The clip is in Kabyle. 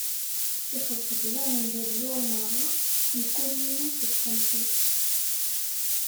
Ixleq-d daɣen leḍyur meṛṛa, mkul yiwen s ṣṣenf-is.